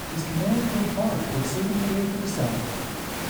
His command went far toward saving the day for the South.